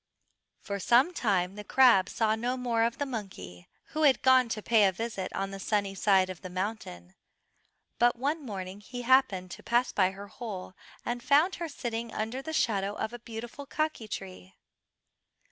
For some time the crab saw no more of the monkey, who had gone to pay a visit on the sunny side of the mountain; but one morning he happened to pass by her hole, and found her sitting under the shadow of a beautiful kaki tree.